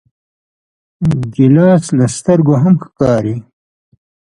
ګیلاس له سترګو هم ښکاري.